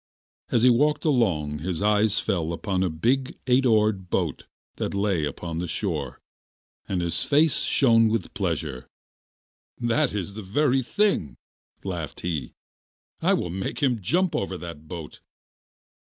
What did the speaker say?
As he walked along his eyes fell upon a big eight oared boat that lay upon the shore, and his face shone with pleasure. 'That is the very thing,' laughed he, 'I will make him jump over that boat.